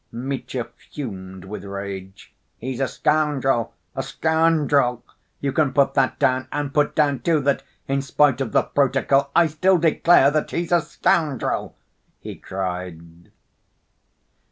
Mitya fumed with rage. "He's a scoundrel! A scoundrel! You can put that down. And put down, too, that, in spite of the protocol I still declare that he's a scoundrel!" he cried.